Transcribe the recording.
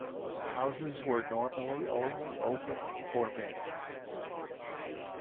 The houses were normally only open for men.